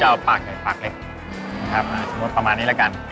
อะไรก็ได้